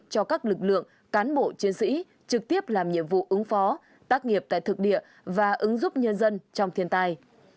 cho các lực lượng cán bộ chiến sĩ trực tiếp làm nhiệm vụ ứng phó tác nghiệp tại thực địa và ứng giúp nhân dân trong thiên tai